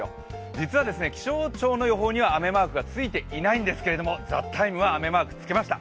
実は気象庁の予報には雨マークがついていないんですけど「ＴＨＥＴＩＭＥ，」は雨マークつけました。